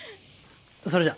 それじゃ。